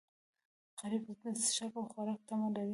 غریب د څښاک او خوراک تمه لري